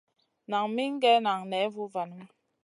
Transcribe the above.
Nan min gue nan ney vovanu.